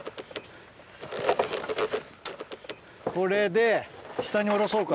これで下に下ろそうか。